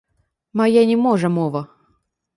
Мая не можа мова!